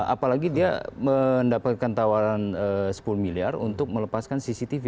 apalagi dia mendapatkan tawaran sepuluh miliar untuk melepaskan cctv